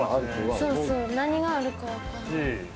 そうそう何があるかわからない。